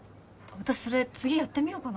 私それ次やってみようかな。